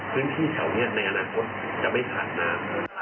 พื้นที่แถวนี้ในอนาคตจะไม่ขาดน้ำ